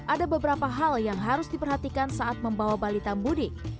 ada beberapa hal yang harus diperhatikan saat membawa balita mudik